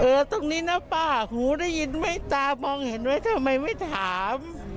ตรงนี้นะป้าหูได้ยินไหมตามองเห็นไหมทำไมไม่ถาม